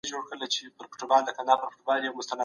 هغوی به ډېر ژر یو نوی سړک جوړ کړي.